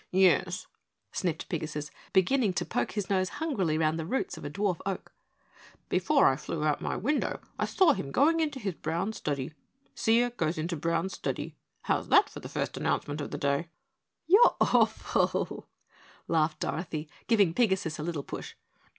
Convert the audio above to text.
"Yes," sniffed Pigasus, beginning to poke his nose hungrily round the roots of a dwarf oak, "before I flew out my window, I saw him going into his brown study. Seer goes into brown study. How's that for the first announcement of the day?" "You're awful," laughed Dorothy, giving Pigasus a little push.